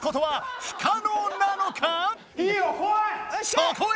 そこへ。